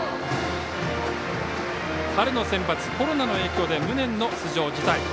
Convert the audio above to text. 春のセンバツコロナの影響で無念の出場辞退。